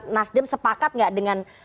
nasdem sepakat nggak dengan